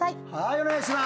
お願いします。